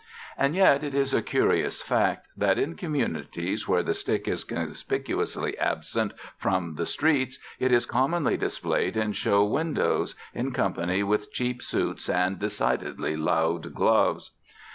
And yet it is a curious fact that in communities where the stick is conspicuously absent from the streets it is commonly displayed in show windows, in company with cheap suits and decidedly loud gloves.